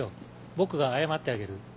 僕が謝ってあげる。